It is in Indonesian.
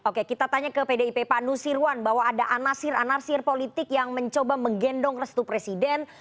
oke kita tanya ke pdip pak nusirwan bahwa ada anasir anasir politik yang mencoba menggendong restu presiden